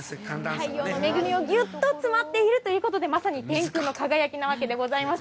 太陽の恵みがぎゅっと詰まっているということで、まさに天空の輝きなわけでございます。